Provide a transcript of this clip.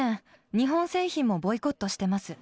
日本製品もボイコットしてます。